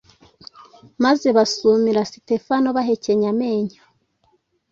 maze basumira Sitefano bahekenya amenyo.